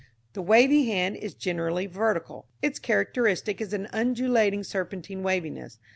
The Wavy Hand is generally vertical. Its characteristic is an undulating serpentine waviness.